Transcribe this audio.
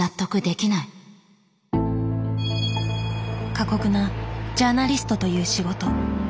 過酷なジャーナリストという仕事。